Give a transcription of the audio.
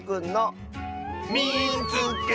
「みいつけた！」。